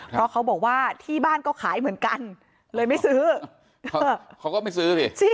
เพราะเขาบอกว่าที่บ้านก็ขายเหมือนกันเลยไม่ซื้อเขาก็ไม่ซื้อสิ